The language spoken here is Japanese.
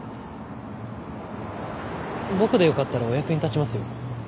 僕で良かったらお役に立ちますよ。